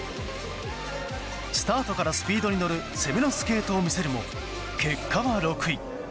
スタートからスピードに乗る攻めのスケートを見せるも結果は６位。